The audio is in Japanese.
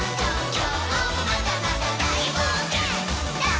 「きょうもまだまだだいぼうけん」「ダン」